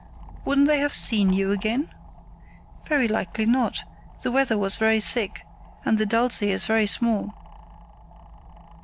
"Wouldn't they have seen you again?" "Very likely not; the weather was very thick, and the Dulce is very small."